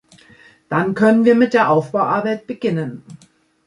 Dann können wir mit der Aufbauarbeit beginnen.